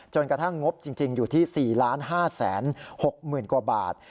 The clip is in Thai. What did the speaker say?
กระทั่งงบจริงอยู่ที่๔๕๖๐๐๐กว่าบาท